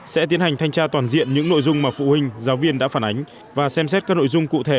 sẽ tiến hành thanh tra toàn diện những nội dung mà phụ huynh giáo viên đã phản ánh và xem xét các nội dung cụ thể